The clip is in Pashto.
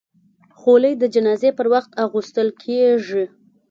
خولۍ د جنازې پر وخت اغوستل کېږي.